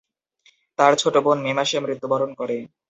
তার ছোট বোন মে মাসে মৃত্যুবরণ করে।